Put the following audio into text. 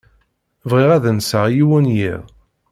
Bɣiɣ ad nseɣ yiwen yiḍ.